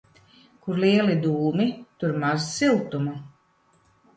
Kur lieli dūmi, tur maz siltuma.